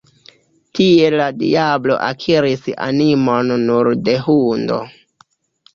Tiel la diablo akiris animon nur de hundo.